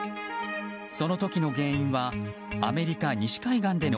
その時の原因はアメリカ西海岸での